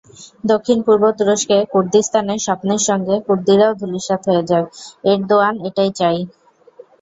দক্ষিণ-পূর্ব তুরস্কে কুর্দিস্তানের স্বপ্নের সঙ্গে কুর্দিরাও ধূলিসাৎ হয়ে যাক, এরদোয়ান এটাই চান।